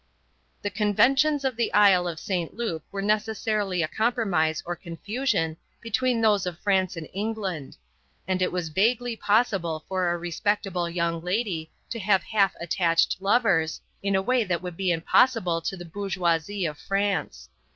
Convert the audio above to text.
The conventions of the Isle of St. Loup were necessarily a compromise or confusion between those of France and England; and it was vaguely possible for a respectable young lady to have half attached lovers, in a way that would be impossible to the bourgeoisie of France.